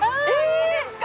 いいですか！？